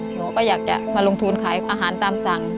หนูก็อยากจะมาลงทุนขายอาหารตามสั่ง